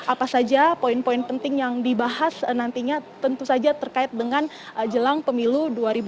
apa saja poin poin penting yang dibahas nantinya tentu saja terkait dengan jelang pemilu dua ribu dua puluh